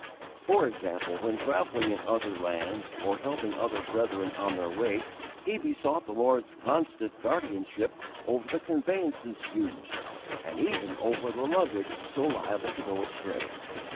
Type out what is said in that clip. For example, when travelling in other lands, or helping other brethren on their way, he besought the Lord's constant guardianship over the conveyances used, and even over the luggage so liable to go astray.